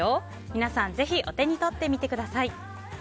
皆さんぜひお手に取ってみてください。